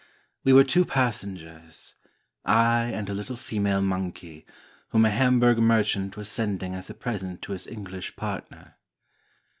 We were two passengers ; I and a little female monkey, whom a Hamburg merchant was sending as a present to his English partner.